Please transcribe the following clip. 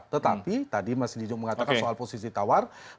tetapi tadi mas dijung mengatakan soal posisi tawar